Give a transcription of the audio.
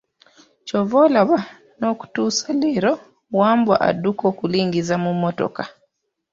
Ky'ova olaba n'okutuusa leero, Wambwa adduka okulingiza mu mmotoka.